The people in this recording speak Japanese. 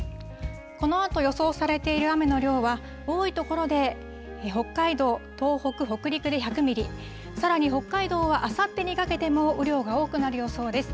このあと予想されている雨の量は、多い所で北海道、東北、北陸で１００ミリ、さらに北海道はあさってにかけても雨量が多くなる予想です。